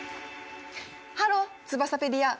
ハローツバサペディア！